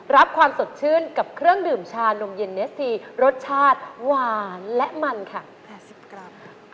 รับความสดชื่นกับเครื่องดื่มชานมเย็นเนสทีรสชาติหวานและมันค่ะ๘๐กรัม